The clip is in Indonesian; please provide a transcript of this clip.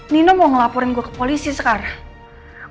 nino mau ngelaporin gue ke polisi sekarang